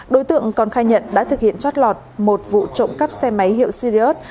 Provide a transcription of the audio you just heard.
đối tượng còn khai nhận đã thực hiện chót lọt một vụ trộm cắp xe máy hiệu sirius